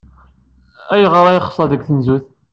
Ayɣer ay yexṣer deg tnezzut?